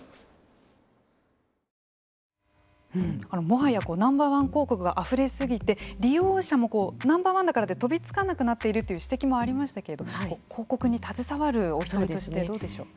もはやＮｏ．１広告があふれ過ぎて利用者もＮｏ．１だからって飛びつかなくなっているという指摘もありましたけれども広告に携わる一人としてどうでしょう？